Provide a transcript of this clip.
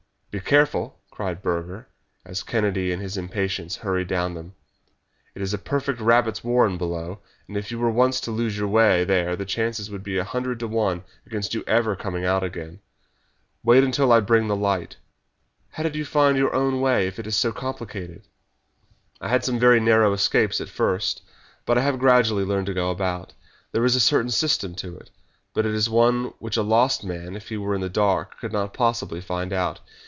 "Be careful!" cried Burger, as Kennedy, in his impatience, hurried down them. "It is a perfect rabbits' warren below, and if you were once to lose your way there the chances would be a hundred to one against your ever coming out again. Wait until I bring the light." "How do you find your own way if it is so complicated?" "I had some very narrow escapes at first, but I have gradually learned to go about. There is a certain system to it, but it is one which a lost man, if he were in the dark, could not possibly find out.